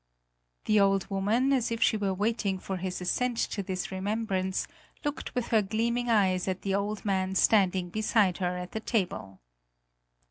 The old woman, as if she were waiting for his assent to this remembrance, looked with her gleaming eyes at the old man standing beside her at the table.